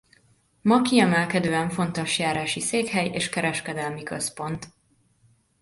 Ma kiemelkedően fontos járási székhely és kereskedelmi központ.